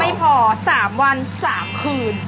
ไม่พอ๓วัน๓คืน